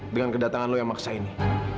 dengan kedatangan lo yang maksa ini